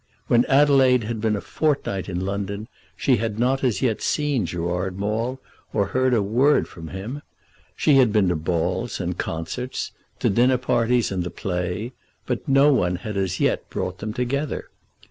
When Adelaide had been a fortnight in London she had not as yet seen Gerard Maule or heard a word from him. She had been to balls and concerts, to dinner parties and the play; but no one had as yet brought them together.